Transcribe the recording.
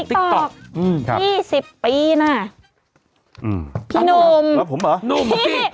อืมฮะ๒๐ปีนะพี่นมแล้วผมเหรอนุ่มหรอพี่